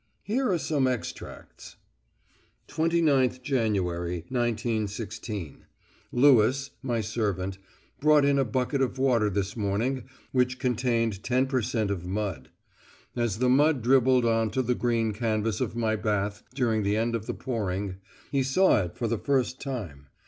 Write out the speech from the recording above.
Here are some extracts. "29th January, 1916. Lewis (my servant) brought in a bucket of water this morning which contained 10% of mud. As the mud dribbled on to the green canvas of my bath during the end of the pouring, he saw it for the first time.